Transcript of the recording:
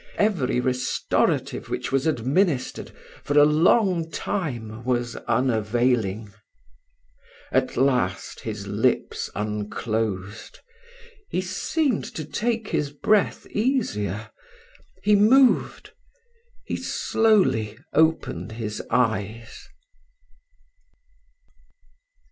Every restorative which was administered, for a long time, was unavailing: at last his lips unclosed he seemed to take his breath easier he moved he slowly opened his eyes.